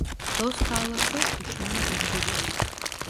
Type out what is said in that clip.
Dost ağlatır, düşman güldürür.